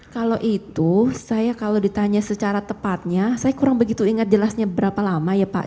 kalau itu saya kalau ditanya secara tepatnya saya kurang begitu ingat jelasnya berapa lama ya pak